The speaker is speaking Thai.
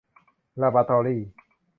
ลาบอราตอรี่